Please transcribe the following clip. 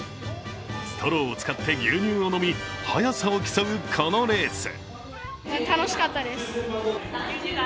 ストローを使って牛乳を飲み早さを競うこのレース。